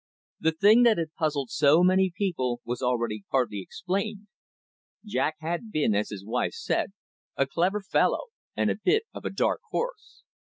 The thing that had puzzled so many people was already partly explained. Jack had been, as his wife said, a clever fellow, and a bit of a dark horse.